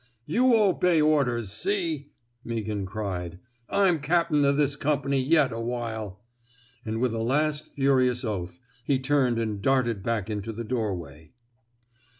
" You obey orders, see? " Meaghan cried. I'm cap'n of this comp'ny, yet awhile; '' and with a last furious oath, he turned and darted back into the doorway.